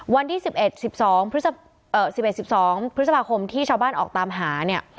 วันที่๑๑๑๒พศพที่ชาวบ้านออกตามหาเนี่ย